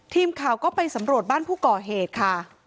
ทีมข่าวก็ไปสำรวจบ้านผู้ก่อเหตุค่ะ